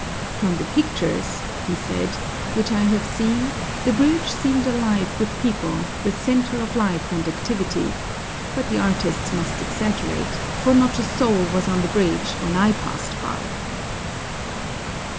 "From the pictures," he said, "which I have seen, the bridge seemed alive with people, the centre of life and activity, but the artists must exaggerate, for not a soul was on the bridge when I passed by."